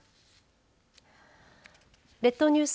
列島ニュース